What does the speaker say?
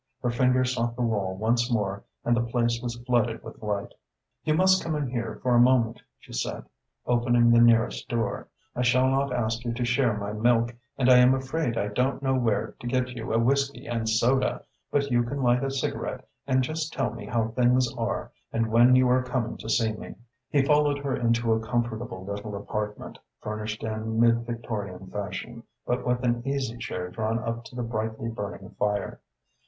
Her fingers sought the wall once more and the place was flooded with light. "You must come in here for a moment," she said, opening the nearest door. "I shall not ask you to share my milk, and I am afraid I don't know where to get you a whisky and soda, but you can light a cigarette and just tell me how things are and when you are coming to see me." He followed her into a comfortable little apartment, furnished in mid Victorian fashion, but with an easy chair drawn up to the brightly burning fire.